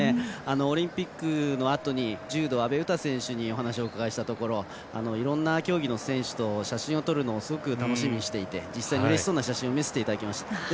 オリンピックのあとに柔道、阿部詩選手にお話をお伺いしたところいろんな競技の選手と写真を撮るのを楽しみにしていて実際写真を見せていただきました。